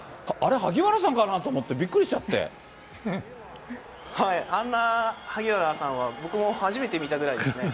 萩原さんかなと思あんな萩原さんは僕も初めて見たぐらいですね。